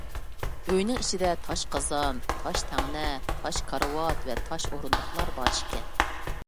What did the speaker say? ئۆينىڭ ئىچىدە تاش قازان، تاش تەڭنە، تاش كارىۋات ۋە تاش ئورۇندۇقلار بار ئىكەن.